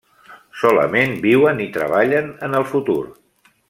Solament viuen i treballen en el futur.